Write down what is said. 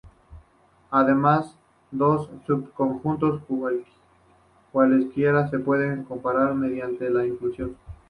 Además dos subconjuntos cualesquiera no se pueden comparar mediante la inclusión.